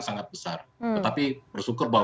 sangat besar tetapi bersyukur bahwa